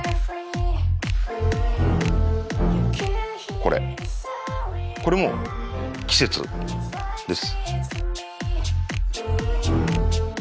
これこれも季節です。